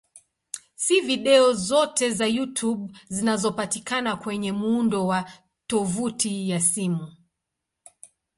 Si video zote za YouTube zinazopatikana kwenye muundo wa tovuti ya simu.